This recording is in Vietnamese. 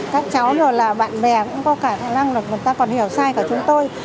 các cháu đều là bạn bè cũng có khả năng là người ta còn hiểu sai cả chúng tôi